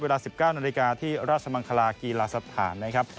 เวลา๑๙นาฬิกาที่ราชมังคลากีฬาสถานนะครับ